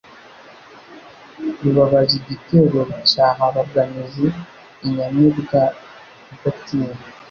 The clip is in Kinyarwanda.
Rubabaza igitero rucyaha abaganizi, inyamibwa idatinya